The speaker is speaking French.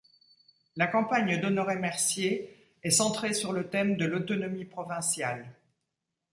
La campagne d'Honoré Mercier est centrée sur le thème de l'autonomie provinciale.